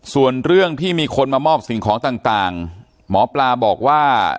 ส่วนเรื่องที่มีคนมามอบสิ่งของต่างหมอปลาบอกว่า